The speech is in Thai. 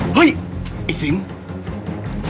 เฮ้ยไอ้สิงห์